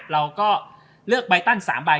เราก็เลือกใบตัน๓ใบ